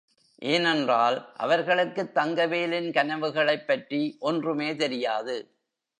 ஏனென்றால், அவர்களுக்குத் தங்கவேலின் கனவுகளைப் பற்றி ஒன்றுமே தெரியாது.